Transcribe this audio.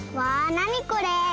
なにこれ？